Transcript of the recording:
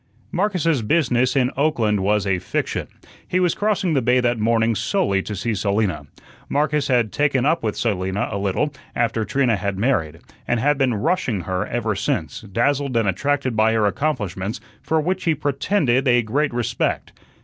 Marcus's business in Oakland was a fiction. He was crossing the bay that morning solely to see Selina. Marcus had "taken up with" Selina a little after Trina had married, and had been "rushing" her ever since, dazzled and attracted by her accomplishments, for which he pretended a great respect.